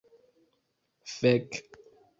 Fek'...